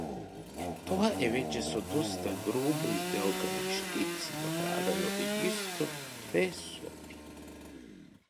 Тоа е веќе со доста грубо изделкани штици направено, и исто две соби.